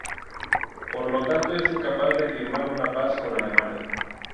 Por tanto, es incapaz de firmar una paz con Alemania.